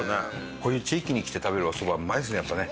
こういう地域に来て食べるおそばはうまいですねやっぱね。